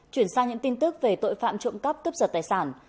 chuyển sang những tin tức về tội phạm trộm cắp cướp giật tài sản